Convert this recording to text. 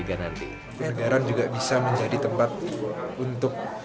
mangkunegara juga bisa menjadi tempat untuk melesari kesehatan dan juga untuk memiliki kekuatan